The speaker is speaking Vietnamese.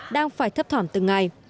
đang phải thấp thỏn từng ngày